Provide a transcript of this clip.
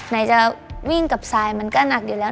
ไหนจะวิ่งกับทรายมันก็หนักอยู่แล้ว